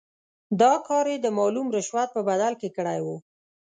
دا کار یې د معلوم رشوت په بدل کې کړی وو.